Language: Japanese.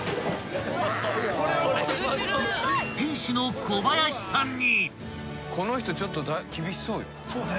［店主の小林さんに］